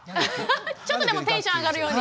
ちょっとでもテンション上がるように？